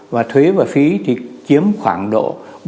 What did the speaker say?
và thuế và phí thì chiếm khoảng độ bốn mươi bốn mươi ba